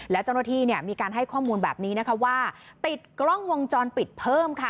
และเจ้าหน้าที่เนี่ยมีการให้ข้อมูลแบบนี้นะคะว่าติดกล้องวงจรปิดเพิ่มค่ะ